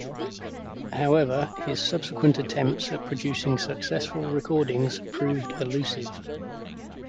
However, his subsequent attempts at producing successful recordings proved elusive.